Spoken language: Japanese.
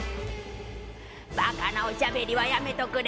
馬鹿なおしゃべりはやめておくれ！